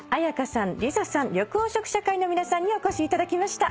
ＬｉＳＡさん緑黄色社会の皆さんにお越しいただきました。